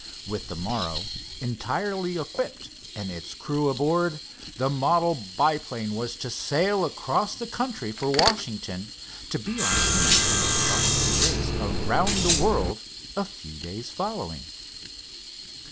With the morrow, entirely equipped and its crew aboard, the model biplane was to sail across the country for Washington, to be on hand for the start of the race around the world a few days following.